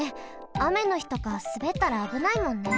あめのひとかすべったらあぶないもんね。